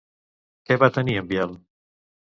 Què va tenir en Biel?